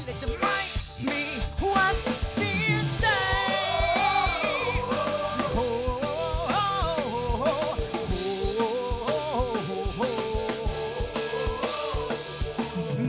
และจะไม่มีวันเสียใจ